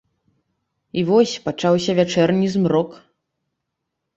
І вось пачаўся вячэрні змрок.